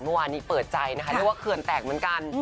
เมื่อวานนี้เปิดใจนะคะเรียกว่าเขื่อนแตกเหมือนกัน